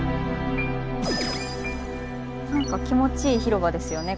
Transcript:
なんか気持ちいい広場ですよね